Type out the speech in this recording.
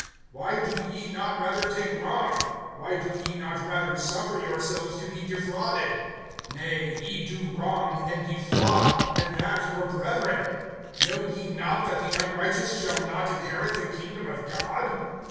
Why do ye not rather take wrong? Why do ye not rather suffer yourselves to be defrauded? (8)Nay, ye do wrong, and defraud, and that your brethren. (9)Know ye not that the unrighteous shall not inherit the kingdom of God?